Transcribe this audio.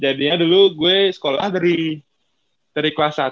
jadinya dulu gue sekolah dari dari kuasa